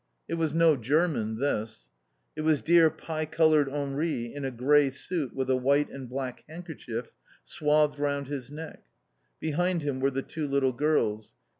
It was no German, this! It was dear pie coloured Henri in a grey suit with a white and black handkerchief swathed round his neck. Behind him were the two little girls.